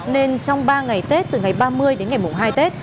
nên trong ba ngày tết từ ngày ba mươi đến ngày mùng hai tết